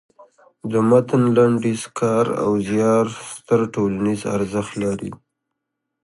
د متن لنډیز کار او زیار ستر ټولنیز ارزښت لري.